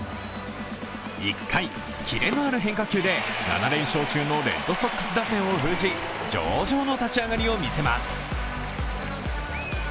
１回、キレのある変化球で７連勝中のレッドソックス打線を封じ上々の立ち上がりを見せます。